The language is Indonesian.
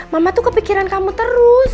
mama tuh kepikiran kamu terus